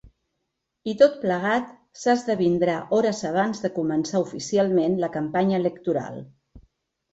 I tot plegat s’esdevindrà hores abans de començar oficialment la campanya electoral.